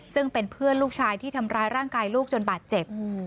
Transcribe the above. ซึ่งเป็นเพื่อนลูกชายที่ทำร้ายร่างกายลูกจนบาดเจ็บ